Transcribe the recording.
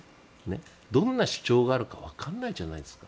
どんな主張があるかわからないじゃないですか。